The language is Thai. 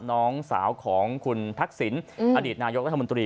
น้องสาวของคุณทักษิณอดีตนายกรัฐมนตรี